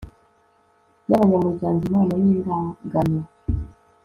y abanyamuryango impano n indagano